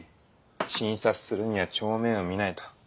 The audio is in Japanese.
診察するには帳面を見ないと。